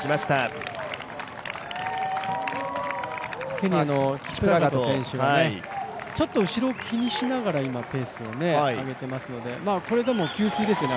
ケニアのキプラガト選手がちょっと後ろを気にしながら、今ペースを上げていますのでこれでも給水ですよね。